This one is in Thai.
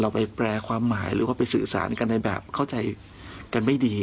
ไปแปลความหมายหรือว่าไปสื่อสารกันในแบบเข้าใจกันไม่ดี